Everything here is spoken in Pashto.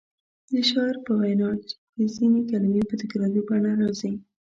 د شاعر په وینا کې ځینې کلمې په تکراري بڼه راځي.